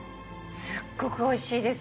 すっごくおいしいです。